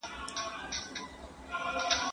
¬ مال دي بزگر ته پرېږده، پر خداى ئې وسپاره.